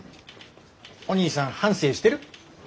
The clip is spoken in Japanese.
お兄さん反省してる？